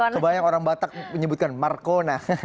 kebanyakan orang batak menyebutkan marcona